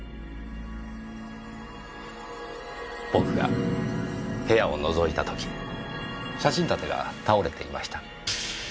僕が部屋を覗いた時写真立てが倒れていました。